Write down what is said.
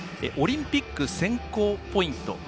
オリンピック選考ポイント